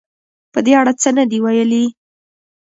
په دې اړه څه نه دې ویلي